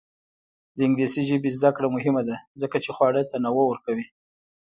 د انګلیسي ژبې زده کړه مهمه ده ځکه چې خواړه تنوع ورکوي.